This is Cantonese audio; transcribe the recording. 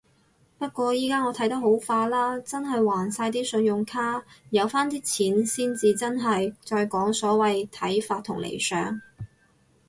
不過依家我睇得好化啦，真係還晒啲信用卡。有返啲錢先至真係再講所謂睇法同理想